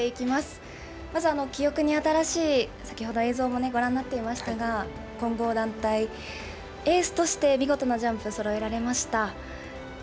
まず記憶に新しい先ほど、映像もご覧になっていましたが、混合団体、エースとして見事なジャンプ、そろえられました。